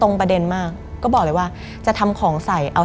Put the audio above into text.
มันกลายเป็นรูปของคนที่กำลังขโมยคิ้วแล้วก็ร้องไห้อยู่